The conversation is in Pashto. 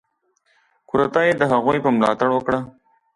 کودتا یې د هغوی په ملاتړ وکړه.